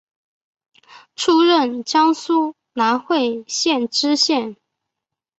出任江苏南汇县知县。